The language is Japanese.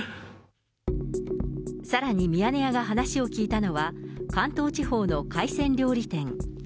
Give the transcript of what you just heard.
さらにミヤネ屋が話を聞いたのは、関東地方の海鮮料理店。